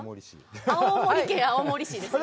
青森県青森市ですね。